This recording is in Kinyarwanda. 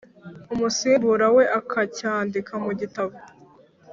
umusimbura we akacyandika mu gitabo